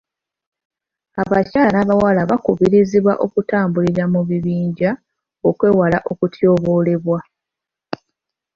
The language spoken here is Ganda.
Abakyala n'abawala bakubirizibwa okutambulira mu bibiinja okwewala okutyobolebwa.